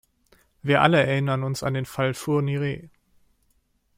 Wir alle erinnern uns an den Fall Fourniret.